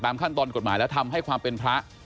ขั้นตอนกฎหมายแล้วทำให้ความเป็นพระ